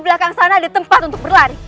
belakang sana ada tempat untuk berlari